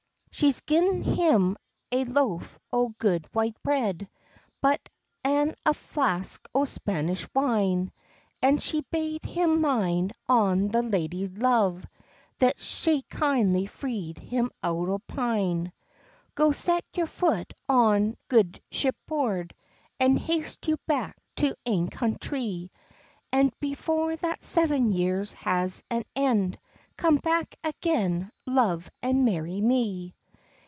She's gi'n him a loaf o good white bread, But an a flask o Spanish wine, An she bad him mind on the ladie's love That sae kindly freed him out o pine. "Go set your foot on good ship board, An haste you back to your ain country, An before that seven years has an end, Come back again, love, and marry me."